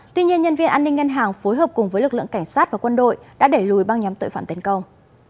tuy nhiên nhân viên an ninh ngân hàng phối hợp cùng với lực lượng cảnh sát và quân đội đã đẩy lùi băng nhóm tội phạm tấn công